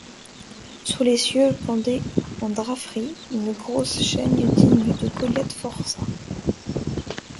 Sous l’essieu pendait en draperie une grosse chaîne digne de Goliath forçat.